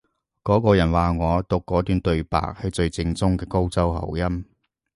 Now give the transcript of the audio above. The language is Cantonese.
嗰個人話我讀嗰段對白係最正宗嘅高州口音